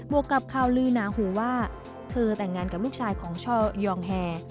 วกกับข่าวลือหนาหูว่าเธอแต่งงานกับลูกชายของช่อยองแฮ